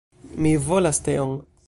Mi volas teon!